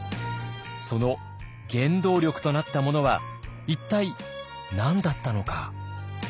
その原動力となったものは一体何だったのか。